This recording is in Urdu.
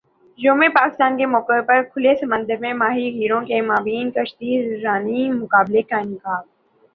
یوم پاکستان کے موقع پر کھلے سمندر میں ماہی گیروں کے مابین کشتی رانی مقابلے کا انعقاد